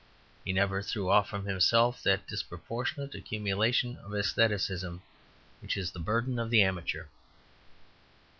He never threw off from himself that disproportionate accumulation of aestheticism which is the burden of the amateur.